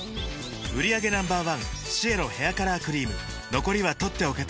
売上№１シエロヘアカラークリーム残りは取っておけて